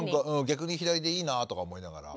逆に左でいいなぁとか思いながら。